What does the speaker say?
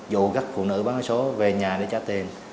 dụ các phụ nữ bán số về nhà để trả tiền